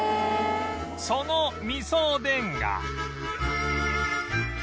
そのみそおでんが